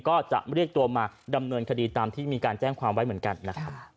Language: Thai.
ก็จะเรียกตัวมาดำเนินคดีตามที่มีการแจ้งความไว้เหมือนกันนะครับ